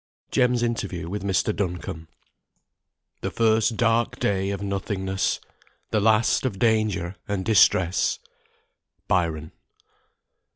JEM'S INTERVIEW WITH MR. DUNCOMBE. "The first dark day of nothingness, The last of danger and distress." BYRON.